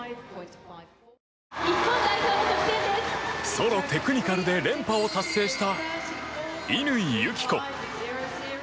ソロテクニカルで連覇を達成した乾友紀子。